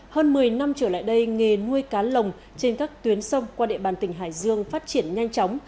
hơn một mươi năm trở lại đây nghề nuôi cá lồng trên các tuyến sông qua địa bàn tỉnh hải dương phát triển nhanh chóng